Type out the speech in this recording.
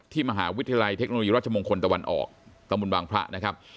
ที่มหาวิทยาลัยเทคโนโลยีราชมงคลตะวันออกตะวันวางพระ